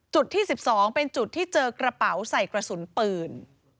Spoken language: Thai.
ที่๑๒เป็นจุดที่เจอกระเป๋าใส่กระสุนปืน